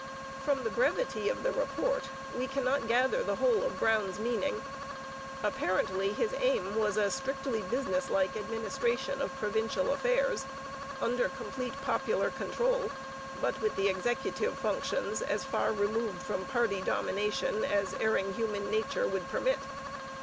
From the brevity of the report we cannot gather the whole of Brown's meaning. Apparently his aim was a strictly businesslike administration of provincial affairs, under complete popular control, but with the executive functions as far removed from party domination as erring human nature would permit.